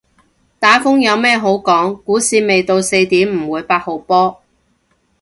打風有咩好講，股市未到四點唔會八號波